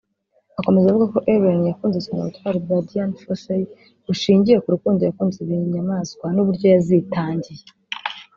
Akomeza avuga ko Ellen yakunze cyane ubutwari bwa Dian Fossey bushingiye ku rukundo yakunze ibinyamaswa n’uburyo yazitangiye